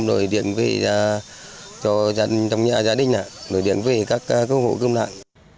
rồi điện về cho trong nhà gia đình rồi điện về các cơ hội cơm nạn